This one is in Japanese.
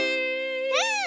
うん！